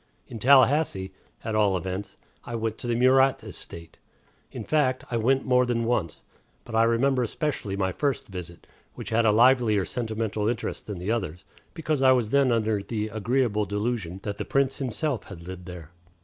In Tallahassee, at all events, I went to the Murat estate. In fact, I went more than once; but I remember especially my first visit, which had a livelier sentimental interest than the others because I was then under the agreeable delusion that the Prince himself had lived there.